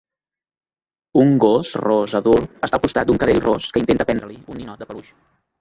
Un gos ros adult està al costat d'un cadell ros que intenta prendre-li un ninot de peluix.